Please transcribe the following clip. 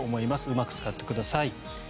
うまく使ってください。